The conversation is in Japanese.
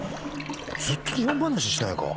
ずっと自慢話してないか？